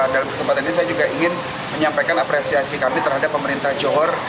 dalam kesempatan ini saya juga ingin menyampaikan apresiasi kami terhadap pemerintah johor